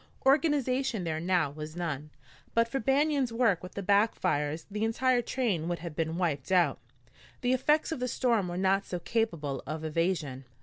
Organization there now was none. But for Banion's work with the back fires the entire train would have been wiped out. The effects of the storm were not so capable of evasion.